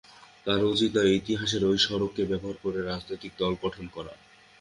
কারও উচিত নয় ইতিহাসের ওই স্মারককে ব্যবহার করে রাজনৈতিক দল গঠন করা।